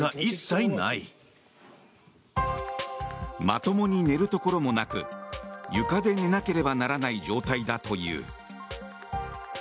まともに寝るところもなく床で寝なければならない状態だという。